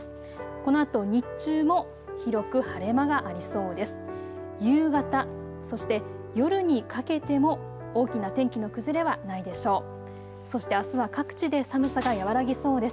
このあと日中も広く晴れ間がありそうです。